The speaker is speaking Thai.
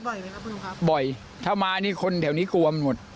พูดบ่อยไหมครับพูดบ่อยถ้ามาคนแถวนี้กลัวมันหมด